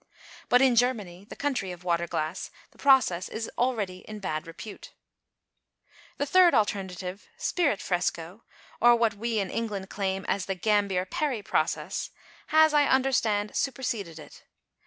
But in Germany, the country of waterglass, the process is already in bad repute. The third alternative, "spirit fresco," or what we in England claim as the Gambier Parry process, has, I understand, superseded it.